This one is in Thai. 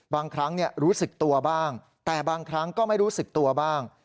บางครั้งรู้สึกตัวบ้างแต่บางครั้งก็ไม่รู้สึกตัวบ้าง